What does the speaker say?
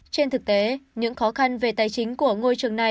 trên thực tế những khó khăn về tài chính của ngôi trường này